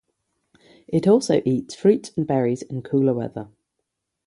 It also eats fruits and berries in cooler weather.